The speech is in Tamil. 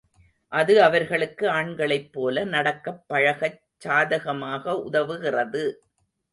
அது அவர்களுக்கு ஆண்களைப் போல நடக்கப் பழகச் சாதகமாக உதவுகிறது.